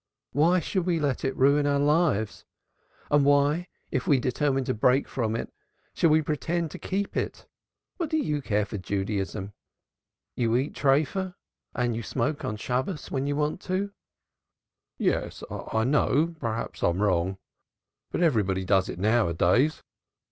Why should we let it ruin our lives? And why, if we determine to break from it, shall we pretend to keep to it? What do you care for Judaism? You eat triphas, you smoke on Shabbos when you want to " "Yes, I know, perhaps I'm wrong. But everybody does it now a days.